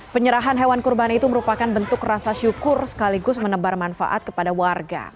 penyerahan hewan kurban itu merupakan bentuk rasa syukur sekaligus menebar manfaat kepada warga